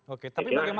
oke tapi bagaimana